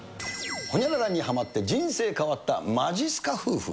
ホニャララにはまって人生変わったまじっすか夫婦。